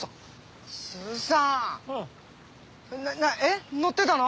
えっ乗ってたの？